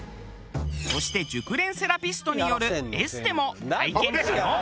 そして熟練セラピストによるエステも体験可能。